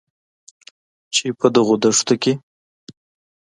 چې په دغو نښتو کې